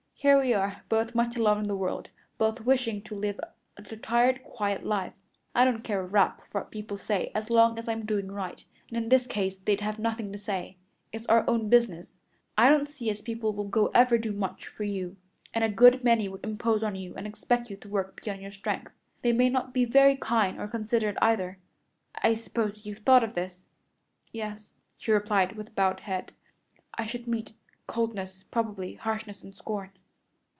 Here we are, both much alone in the world both wishing to live a retired, quiet life. I don't care a rap for what people say as long as I'm doing right, and in this case they'd have nothing to say. It's our own business. I don't see as people will ever do much for you, and a good many would impose on you and expect you to work beyond your strength. They might not be very kind or considerate, either. I suppose you've thought of this?" "Yes," she replied with bowed head. "I should meet coldness, probably harshness and scorn."